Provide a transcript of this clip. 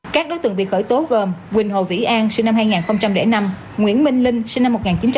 các đối tượng bị khởi tố gồm quỳnh hồ vĩ an sinh năm hai nghìn năm nguyễn minh linh sinh năm một nghìn chín trăm tám mươi